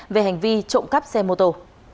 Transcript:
về hành vi trộm cắp xe mô tô